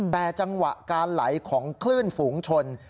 แต่จังหวะการไหลของคลื่นฝูงชน